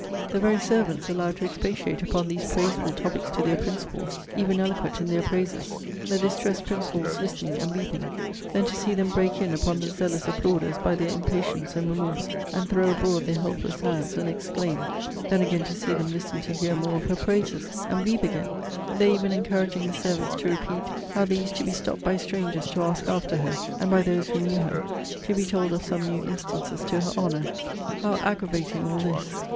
The very servants allowed to expatiate upon these praiseful topics to their principals! Even eloquent in their praises! The distressed principals listening and weeping! Then to see them break in upon the zealous applauders, by their impatience and remorse, and throw abroad their helpless hands, and exclaim; then again to see them listen to hear more of her praises, and weep again they even encouraging the servants to repeat how they used to be stopt by strangers to ask after her, and by those who knew her, to be told of some new instances to her honour how aggravating all this!